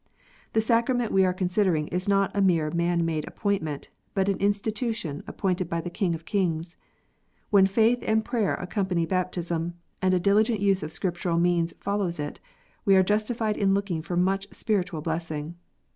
The sacrament we are considering is not a mere man made appointment, but an institution appointed by the King of kings. "When faith and prayer accompany baptism, and a diligent use of Scriptural means follows it, we are justified in looking for much spiritual blessing.